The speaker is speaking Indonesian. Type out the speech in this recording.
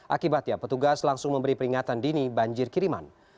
akibatnya petugas langsung memberi peringatan dini banjir kiriman